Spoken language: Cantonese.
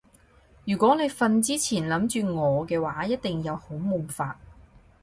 如果你瞓之前諗住我嘅話一定有好夢發